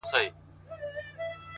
هره پوښتنه د نوې پوهې تخم دی,